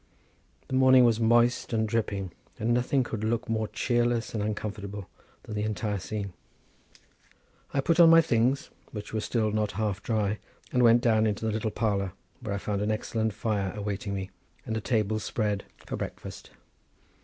The morning was moist and dripping, and nothing could look more cheerless and uncomfortable than the entire scene. I put on my things, which were still not half dry, and went down into the little parlour, where I found an excellent fire awaiting me, and a table spread for breakfast.